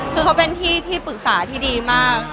คือเขาเป็นที่ที่ปรึกษาที่ดีมาก